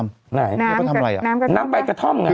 น้ำพิกัดทำไรน้ำใบกระท่อมไง